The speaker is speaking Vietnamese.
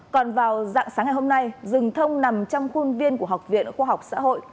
còn vào dạng sáng ngày hôm nay rừng thông nằm trong khuôn viên của học viện khoa học xã hội